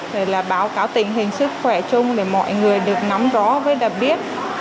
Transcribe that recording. rồi là báo cáo tình hình sức khỏe chung để mọi người được nắm rõ với đặc biệt